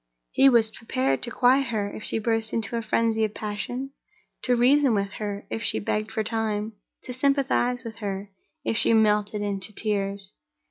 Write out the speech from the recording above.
He was prepared to quiet her, if she burst into a frenzy of passion; to reason with her, if she begged for time; to sympathize with her, if she melted into tears.